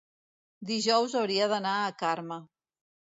dijous hauria d'anar a Carme.